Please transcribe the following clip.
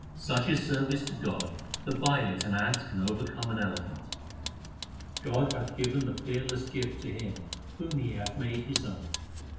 Such is service to God that by it an ant can overcome an elephant. God hath given the fearless gift to him whom He hath made His own.